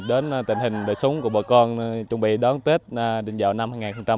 đến tình hình đời sống của bà con chuẩn bị đón tết đình dạo năm hai nghìn một mươi bảy